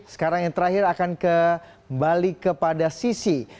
sekarang yang terakhir akan kembali kepada sisi